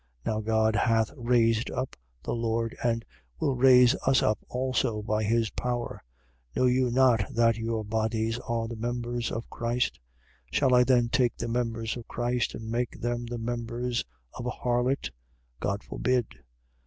6:14. Now God hath raised up the Lord and will raise us up also by his power. 6:15. Know you not that your bodies are the members of Christ? Shall I then take the members of Christ and make them the members of an harlot? God forbid!